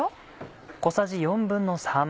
小さじ３／４。